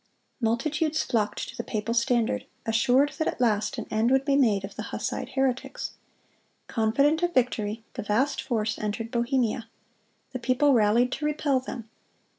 Multitudes flocked to the papal standard, assured that at last an end would be made of the Hussite heretics. Confident of victory, the vast force entered Bohemia. The people rallied to repel them.